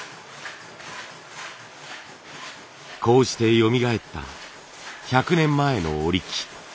こうしてよみがえった１００年前の織り機。